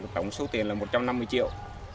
tổng số tiền là một trăm năm mươi triệu